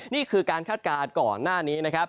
นี่คือการคาดการณ์ก่อนหน้านี้